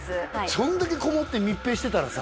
そんだけこもって密閉してたらさ